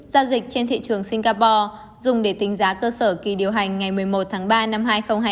giao dịch trên thị trường singapore dùng để tính giá cơ sở kỳ điều hành ngày một mươi một tháng ba năm hai nghìn hai mươi